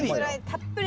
たっぷり？